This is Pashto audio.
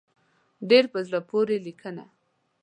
ډېره په زړه پورې لیکنه.